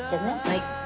はい。